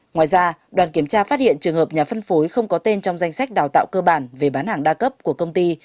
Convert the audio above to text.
ngoài ra đoàn kiểm tra phát hiện trường hợp nhà phân phối không có tên trong danh sách đào tạo cơ bản về bán hàng đa cấp của công ty